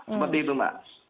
seperti itu mbak